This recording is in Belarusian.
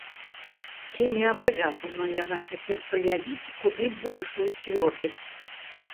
Ці не абавязана яна цяпер праявіць куды большую цвёрдасць?